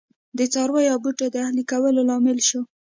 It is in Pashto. د څارویو او بوټو د اهلي کولو لامل شو.